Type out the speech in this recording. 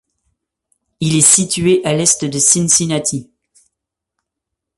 Il est situé à l'est de Cincinnati.